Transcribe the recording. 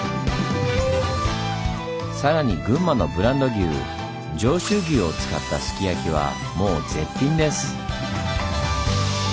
さらに群馬のブランド牛「上州牛」を使ったすき焼きはもう絶品です！